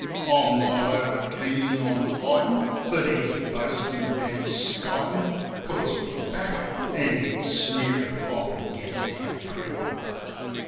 I'm not over keen on fightin'; but his boastin' an' his skitin' Puts my back up ; an' his sneerin' often gets down pretty low.